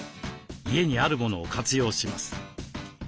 家にあるものを活用します。